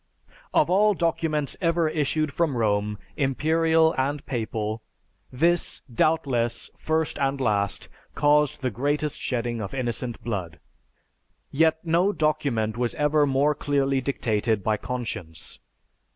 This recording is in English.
Of all documents ever issued from Rome, imperial and papal, this, doubtless, first and last, caused the greatest shedding of innocent blood. Yet no document was ever more clearly dictated by conscience.